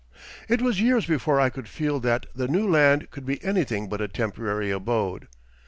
It was years before I could feel that the new land could be anything but a temporary abode.